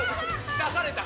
出された。